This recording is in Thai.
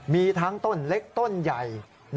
มีทั้งต้นเล็กต้นใหญ่